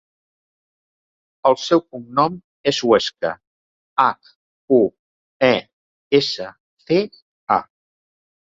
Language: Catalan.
El seu cognom és Huesca: hac, u, e, essa, ce, a.